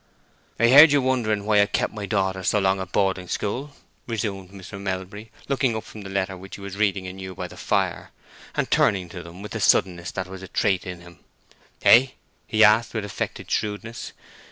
"I heard you wondering why I've kept my daughter so long at boarding school," resumed Mr. Melbury, looking up from the letter which he was reading anew by the fire, and turning to them with the suddenness that was a trait in him. "Hey?" he asked, with affected shrewdness.